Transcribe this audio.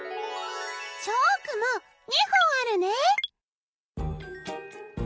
チョークも２ほんあるね。